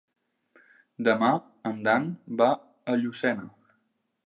Demà en Dan va a Llucena.